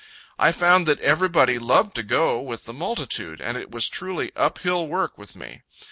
I found that everybody loved to go with the multitude, and it was truly up hill work with me.